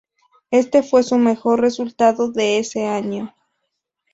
Este fue su mejor resultado de ese año.